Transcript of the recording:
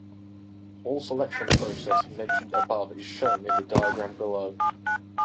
All selection process mentioned above is shown in the diagram below.